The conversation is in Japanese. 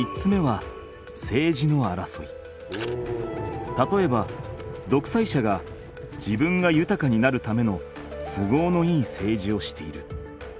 ３つ目はたとえばどくさい者が自分がゆたかになるための都合のいい政治をしている。